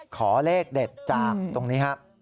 ขอเลขเด็ดจากตรงนี้ครับ